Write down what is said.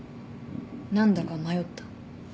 何だか迷った？